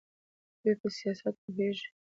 دوی په سیاست پوهیږي.